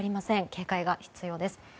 警戒が必要です。